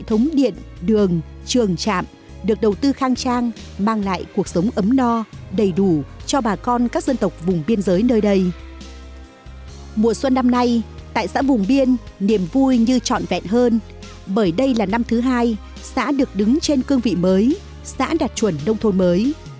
mùa xuân năm nay tại xã vùng biên niềm vui như trọn vẹn hơn bởi đây là năm thứ hai xã được đứng trên cương vị mới xã đạt chuẩn nông thôn mới